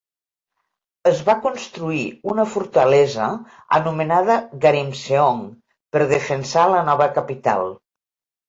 Es va construir una fortalesa anomenada Garimseong per defensar la nova capital.